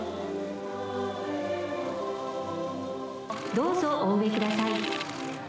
どうぞお植えください。